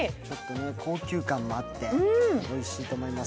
高級感もあっておいしいと思います。